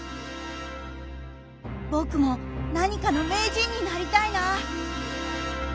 僕も何かの名人になりたいな！